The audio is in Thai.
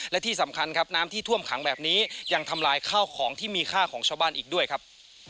และที่สำคัญครับน้ำที่ท่วมขังแบบนี้ยังทำลายข้าวของที่มีค่าของชาวบ้านอีกด้วยครับ